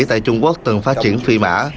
tại trung quốc từng phát triển phi mã